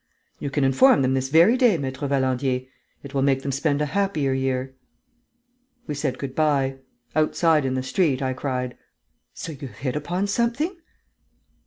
"You can inform them this very day, Maître Valandier. It will make them spend a happier year." We said good bye. Outside, in the street, I cried: "So you have hit upon something?"